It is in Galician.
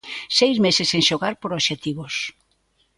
Seis meses sen xogar por obxectivos.